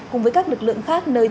cùng với các lực lượng khác nơi tuyển